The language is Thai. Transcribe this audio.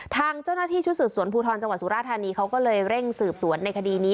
ทางเจ้าหน้าที่ชุดสืบสวนภูทรจังหวัดสุราธานีเขาก็เลยเร่งสืบสวนในคดีนี้